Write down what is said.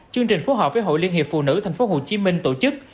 chương trình phối hợp với hội liên hiệp phụ nữ thành phố hồ chí minh tổ chức